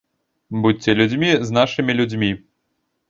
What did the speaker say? Будзьце людзьмі з нашымі людзьмі.